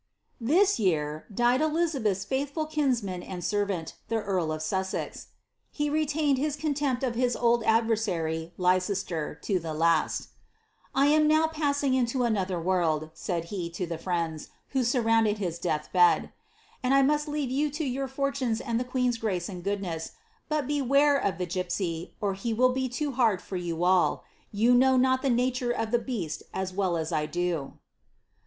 This year died Elizabeth's faithful kinsman and servant, the earl of Soisez. He retained his contempt of his old adversary, Leicester, to the last ^ I am now passing into anotlier world," said he, to the friends, who surrounded his death bed, ^ and I must leave you to your fortunes and the queen's grace and goodness, but beware of the gipsy, or he will be too hard for you all ; you know not the nature of the beast as well ai I do."